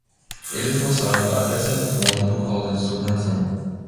Ele é forçado até certo ponto por causa de sua condição.